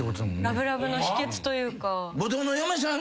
ラブラブの秘訣というか。